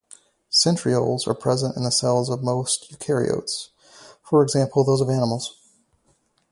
Centrioles are present in the cells of most eukaryotes, for example those of animals.